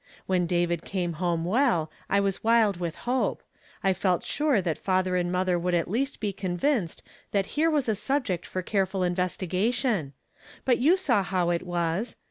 When David came home well, I was wild with hope. I felt sure that father and mother would at least be convinced that here was a subject for careful investigation ; but you saw how it was.